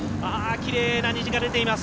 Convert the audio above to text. きれいな虹が出ています。